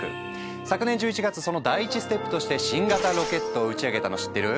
昨年１１月その第一ステップとして新型ロケットを打ち上げたの知ってる？